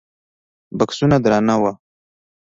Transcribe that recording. بکسونه درانه وو.